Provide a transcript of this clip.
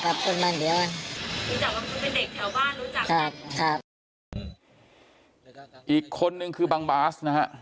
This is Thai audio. ครับอีกคนนึงคือบังบาสนะฮะ